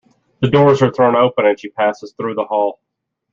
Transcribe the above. The doors are thrown open, and she passes through the hall.